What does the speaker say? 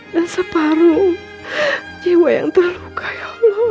dan separuh jiwa yang terluka ya allah